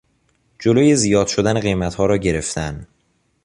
جلو زیاد شدن قیمتها را گرفتن